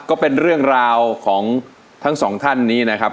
ก็เป็นเรื่องราวของทั้งสองท่านนี้นะครับ